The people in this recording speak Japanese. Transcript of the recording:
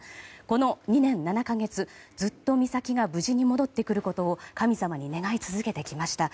この２年７か月ずっと美咲が無事に戻ってくることを神様に願い続けてきました。